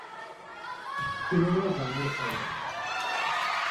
সিনেমা’র গানের এলবাম